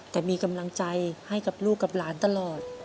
แต่มีกำลังใจให้กับลูกกับหลานตลอด